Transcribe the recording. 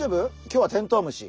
今日はテントウムシ。